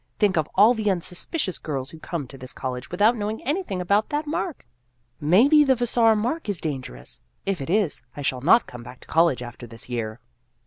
Think of all the unsuspicious girls who come to this college without knowing anything about that mark !" Maybe the Vassar mark is dangerous. If it is, I shall not come back to college after this year. Danger